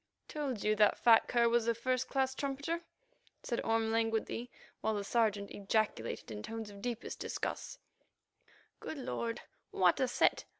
"Told you that fat cur was a first class trumpeter," said Orme languidly, while the Sergeant ejaculated in tones of deep disgust: "Good Lord! what a set.